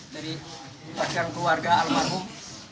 dari pakar keluarga almakum